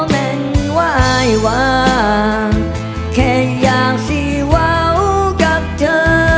ไหว้หว่างแค่อยากสิว้าวกับเธอ